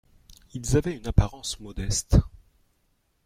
Ils avaient une apparence modeste.